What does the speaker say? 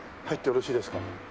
入ってよろしいですか？